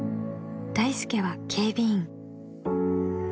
［大助は警備員］